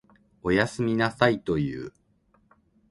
おやすみなさいと言う。